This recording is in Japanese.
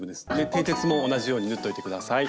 てい鉄も同じように縫っといて下さい。